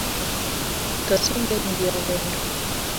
Tos, ingen iyoo bendo?